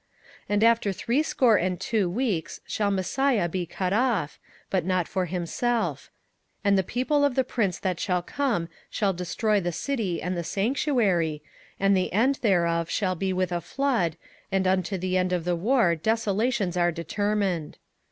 27:009:026 And after threescore and two weeks shall Messiah be cut off, but not for himself: and the people of the prince that shall come shall destroy the city and the sanctuary; and the end thereof shall be with a flood, and unto the end of the war desolations are determined.